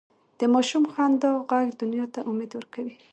د ماشوم خندا ږغ دنیا ته امید ورکوي.